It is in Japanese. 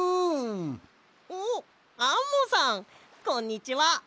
おっアンモさんこんにちは。